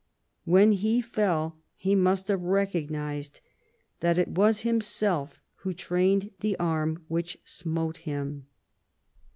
When he fell he must have recognised that it was himself who trained the arm which smote him.